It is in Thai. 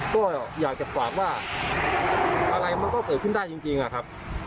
ก็อยากจะฝากว่าอะไรมันก็เกิดขึ้นได้จริงอะครับ